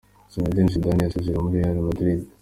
Zinedine Zidane yasezeye muri Real Madrid.